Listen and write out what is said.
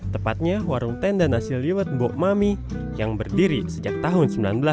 tepatnya warung tenda nasi liwet mbok mami yang berdiri sejak tahun seribu sembilan ratus sembilan puluh